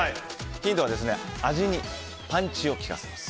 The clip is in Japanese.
ヒントは味にパンチを利かせます。